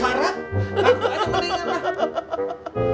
aku aja yang kena ingat lah